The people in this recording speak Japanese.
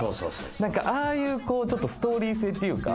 何かああいうストーリー性っていうか